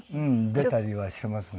出たりはしてますね。